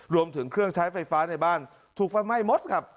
รวมถึงเครื่องใช้ไฟฟ้าในบ้านถูกไฟไหม้หมดครับ